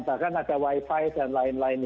bahkan ada wifi dan lain lain